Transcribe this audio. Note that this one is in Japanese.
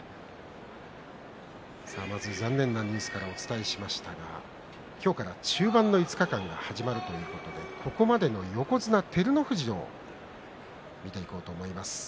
残念なニュースからお伝えしましたが今日から中盤の５日間が始まるということでここまでの横綱照ノ富士を見ていこうと思います。